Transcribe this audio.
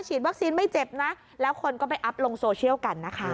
วัคซีนไม่เจ็บนะแล้วคนก็ไปอัพลงโซเชียลกันนะคะ